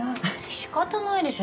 仕方ないでしょ。